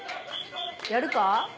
やるか？